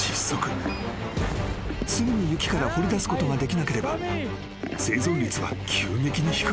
［すぐに雪から掘り出すことができなければ生存率は急激に低くなる］